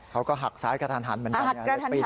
เขาก็หักซ้ายกระทั่นหันเหมือนกันหักกระทั่นหัน